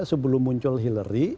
sebelum muncul hillary